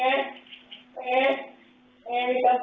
ด้านที่ตาม